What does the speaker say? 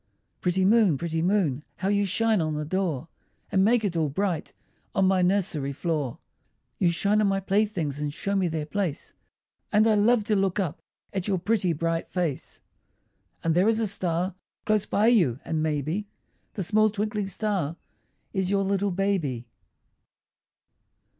Pretty moon, pretty moon, How you shine on the door, And make it all bright On my nursery floor! You shine on my playthings, And show me their place, And I love to look up At your pretty bright face. And there is a star Close by you, and maybe That small twinkling star Is your little baby.